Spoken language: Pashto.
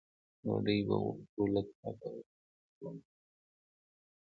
ډوډۍ به وخورو، له تګه وړاندې ومبېدم.